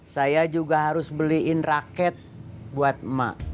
saya juga harus beliin raket buat emak